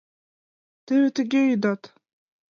Теве тыге ӱдат.